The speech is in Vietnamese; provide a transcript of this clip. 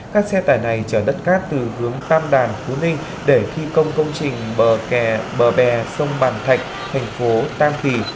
các xe tải này chở đất cát từ hướng tam đàn phú ninh để thi công công trình bờ kè bờ bè sông bàn thạch thành phố tam kỳ